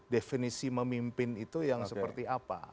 definisi memimpin itu yang seperti apa